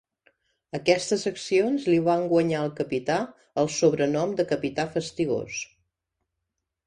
Aquestes accions li van guanyar al capità el sobrenom de "Capità Fastigós".